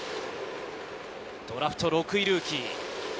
ドラフト６位ルーキー。